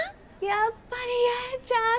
やっぱり八重ちゃん。